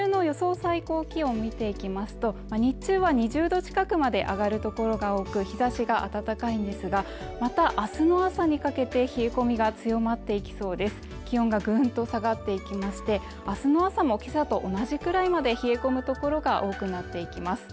最高気温見ていきますと日中は２０度近くまで上がる所が多く日差しが暖かいんですがまた明日の朝にかけて冷え込みが強まっていきそうで気温がぐんと下がっていきましてあすの朝もけさと同じくらいまで冷え込むところが多くなっていきます